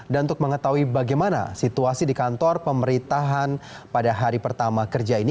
dan untuk mengetahui bagaimana situasi di kantor pemerintahan pada hari pertama kerja ini